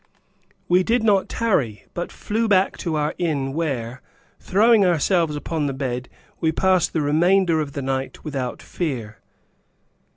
We did not tarry, but flew back to our inn where,) throwing ourselves upon the bed, we passed the remainder of the night without fear.